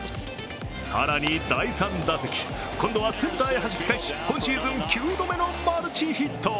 更に、第３打席今度はセンターへはじき返し、今シーズン９度目のマルチヒット。